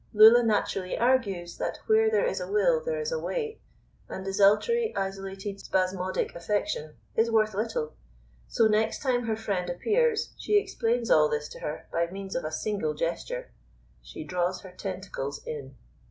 Lulla naturally argues that where there is a will there is a way, and desultory, isolated, spasmodic affection is worth little; so next time her friend appears, she explains all this to her by means of a single gesture: she draws her tentacles in.